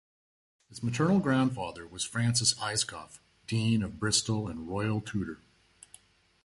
His maternal grandfather was Francis Ayscough, Dean of Bristol and royal tutor.